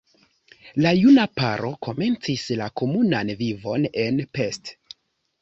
La juna paro komencis la komunan vivon en Pest.